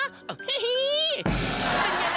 เฮ้เฮ